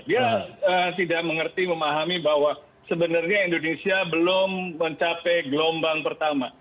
dia tidak mengerti memahami bahwa sebenarnya indonesia belum mencapai gelombang pertama